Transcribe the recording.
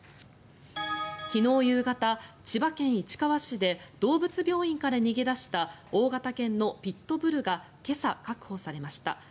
昨日夕方、千葉県市川市で動物病院から逃げ出した大型犬のピットブルが今朝、確保されました。